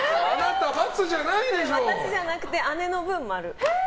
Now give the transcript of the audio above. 私じゃなくて、姉の分もある。